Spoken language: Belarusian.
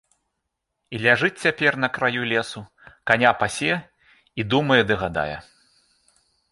І ляжыць цяпер на краю лесу, каня пасе, і думае ды гадае.